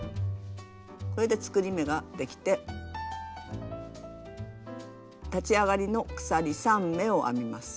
これで作り目ができて立ち上がりの鎖３目を編みます。